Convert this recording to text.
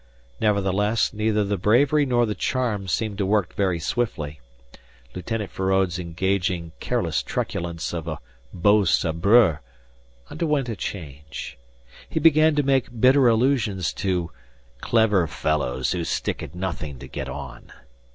Nevertheless, neither the bravery nor the charm seemed to work very swiftly. Lieutenant Feraud's engaging, careless truculence of a "beau sabreur" underwent a change. He began to make bitter allusions to "clever fellows who stick at nothing to get on."